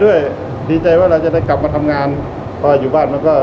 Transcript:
สวัสดีครับผมชื่อสามารถชานุบาลชื่อเล่นว่าขิงถ่ายหนังสุ่นแห่ง